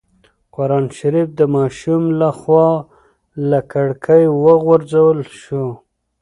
قرانشریف د ماشوم له خوا له کړکۍ وغورځول شو.